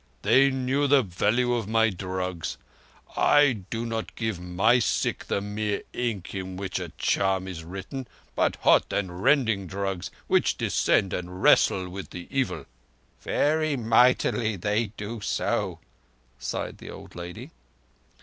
"They knew the value of my drugs. I do not give my sick the mere ink in which a charm is written, but hot and rending drugs which descend and wrestle with the evil." "Very mightily they do so," sighed the old lady.